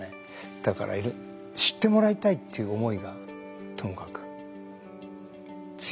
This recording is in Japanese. だから知ってもらいたいっていう思いがともかく強いです。